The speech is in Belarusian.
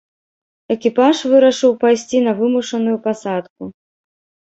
Экіпаж вырашыў пайсці на вымушаную пасадку.